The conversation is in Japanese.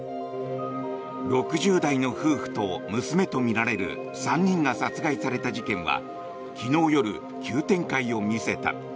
６０代の夫婦と娘とみられる３人が殺害された事件は昨日夜、急展開を見せた。